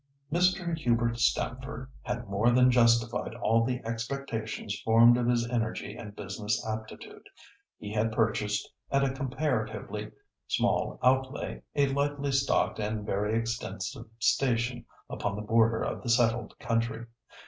"Mr. Hubert Stamford had more than justified all the expectations formed of his energy and business aptitude. He had purchased, at a comparatively small outlay, a lightly stocked and very extensive station upon the border of the settled country.